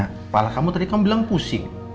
kepala kamu tadi kan belum pusing